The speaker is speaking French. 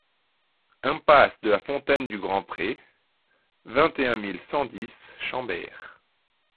Impasse de la Fontaine du Grand Pré, vingt et un mille cent dix Chambeire